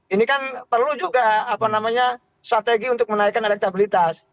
ini kan perlu juga apa namanya strategi untuk menaikkan elektabilitas